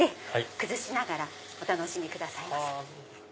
崩しながらお楽しみくださいませ。